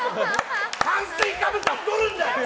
炭水化物は太るんだよ！